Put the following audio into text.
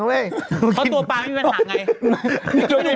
เพราะตัวปลาไม่มีปัญหาไง